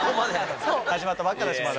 始まったばっかだしまだ。